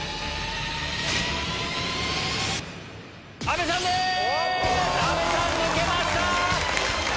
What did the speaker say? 阿部さん抜けました！